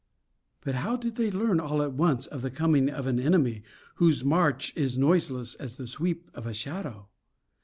But how did they learn, all at once, of the coming of an enemy whose march is noiseless as the sweep of a shadow?